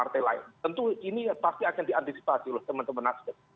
tentu ini pasti akan diantisipasi oleh teman teman nasdem